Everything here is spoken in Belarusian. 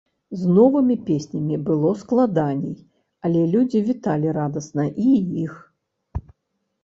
З новымі песнямі было складаней, але людзі віталі радасна і іх.